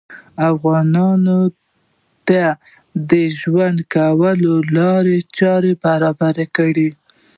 افغانانو ته د ژوند کولو لارې چارې برابرې کړې